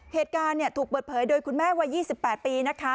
เหตุการณ์ถูกเปิดเผยโดยคุณแม่วัย๒๘ปีนะคะ